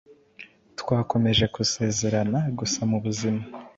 Twakomeje gusezerana gusa mubuzima